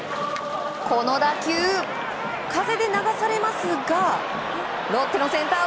この打球、風で流されますがロッテのセンター